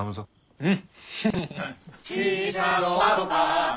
うん！